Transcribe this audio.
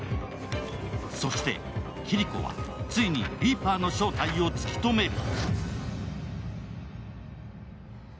そしてキリコはついにリーパーの正体を突き止める。